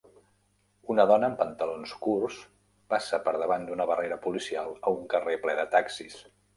Una dona amb pantalons curts passa per davant d'una barrera policial, a un carrer ple de taxis.